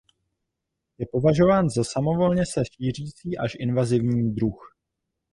Je považován za samovolně se šířící až invazní druh.